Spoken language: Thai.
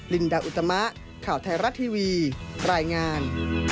ลินดาอุตมะข่าวไทยรัฐทีวีรายงาน